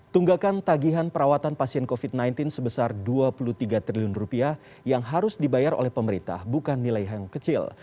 tunggakan tagihan perawatan pasien covid sembilan belas sebesar rp dua puluh tiga triliun rupiah yang harus dibayar oleh pemerintah bukan nilai yang kecil